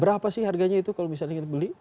berapa sih harganya itu kalau misalnya kita beli